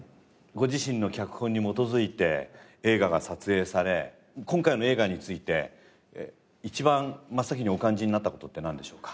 ご自身の脚本に基づいて映画が撮影され今回の映画について一番真っ先にお感じになった事ってなんでしょうか？